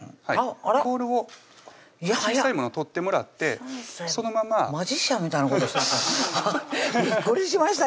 あらっボールを小さいもの取ってもらって先生マジシャンみたいなことしてびっくりしました